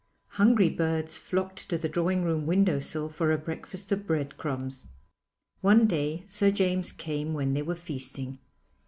Hungry birds flocked to the drawing room window sill for a breakfast of bread crumbs. One day Sir James came when they were feasting.